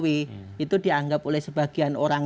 itu dianggap oleh sebagian orang